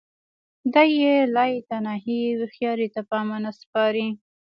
دا یې لایتناهي هوښیاري ته په امانت سپاري